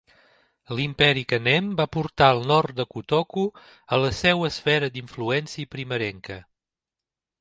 L'Imperi Kanem va portar al nord de Kotoko a la seva esfera d'influència primerenca.